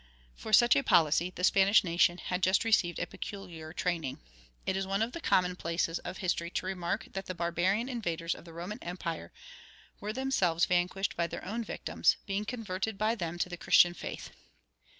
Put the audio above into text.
For such a policy the Spanish nation had just received a peculiar training. It is one of the commonplaces of history to remark that the barbarian invaders of the Roman empire were themselves vanquished by their own victims, being converted by them to the Christian faith.